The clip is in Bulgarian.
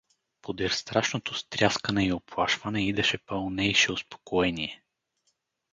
Подир страшното стряскане и уплашване идеше пълнейше успокоение.